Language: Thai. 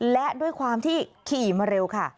และด้วยความที่ขี่มาเร็วค่ะ